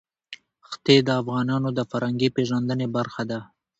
ښتې د افغانانو د فرهنګي پیژندنې برخه ده.